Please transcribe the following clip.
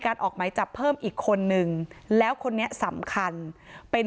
การออกหมายจับเพิ่มอีกคนหนึ่งแล้วคนเนี้ยสำคัญเป็น